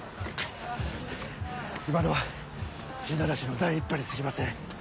今のは地ならしの第一波に過ぎません。